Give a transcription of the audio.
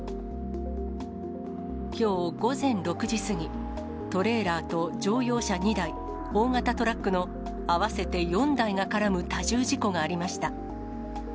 きょう午前６時過ぎ、トレーラーと乗用車２台、大型トラックの合わせて４台が絡む多重事故がありました。